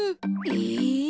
え。